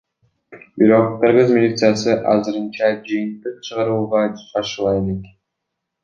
Бирок кыргыз милициясы азырынча жыйынтык чыгарууга шашыла элек.